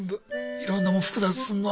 いろんなもん複雑にすんのは。